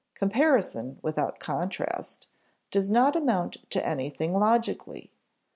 Comparison, without contrast, does not amount to anything logically.